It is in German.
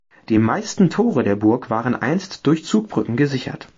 Die meisten Tore der Burg waren einst durch Zugbrücken gesichert.